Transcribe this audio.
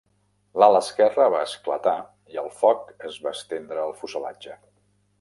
L'ala esquerra va esclatar i el foc es va estendre al fuselatge.